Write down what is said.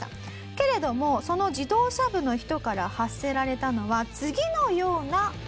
けれどもその自動車部の人から発せられたのは次のような言葉でした。